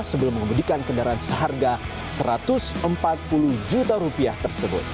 sebelum mengemudikan kendaraan seharga rp satu ratus empat puluh juta rupiah tersebut